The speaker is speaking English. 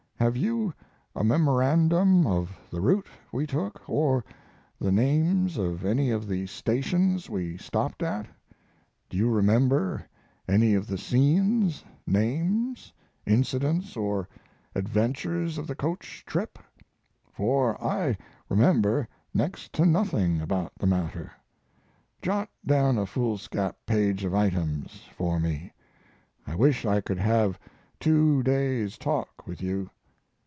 Have you a memorandum of the route we took, or the names of any of the stations we stopped at? Do you remember any of the scenes, names, incidents, or adventures of the coach trip? for I remember next to nothing about the matter. Jot down a foolscap page of items for me. I wish I could have two days' talk with you.